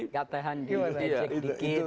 nggak tahan di